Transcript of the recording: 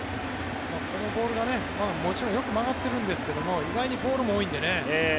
このボールが、もちろんよく曲がってるんですけど意外にボールも多いんでね。